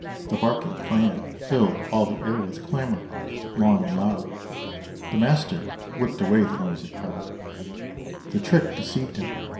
The barking clan Filled all the air with clamour long and loud. The master whipped away the noisy crowd: The trick deceived him.